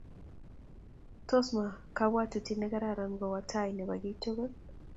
tos ma kabwotutye nekararan kowo tai nebo kiy tugul?